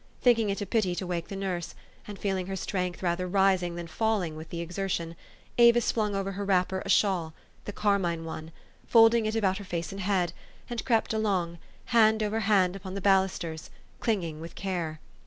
Think ing it a pity to wake the nurse, and feeling her strength rather rising than falling with the exertion, Avis flung over her wrapper a shawl, the carmine one, folding it about her face and head, and crept along, hand over hand upon the balusters, clinging with care.